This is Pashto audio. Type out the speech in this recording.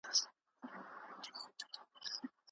ده وویل چې ډوډۍ په زړه نه خوري.